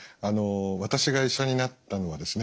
私が医者になったのはですね